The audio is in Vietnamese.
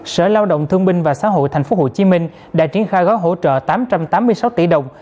sở lao động thương binh và xã hội tp hcm đã triển khai gói hỗ trợ tám trăm tám mươi sáu tỷ đồng